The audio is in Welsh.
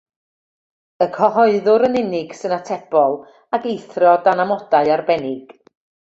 Y cyhoeddwr yn unig sy'n atebol, ac eithrio dan amodau arbennig.